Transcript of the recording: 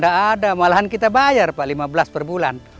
tidak ada malahan kita bayar pak lima belas per bulan